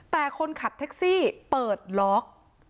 แต่คนขับแท็กซี่เปิดล็อก